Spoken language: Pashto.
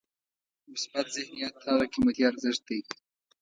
مثبت ذهنیت هغه قیمتي ارزښت دی.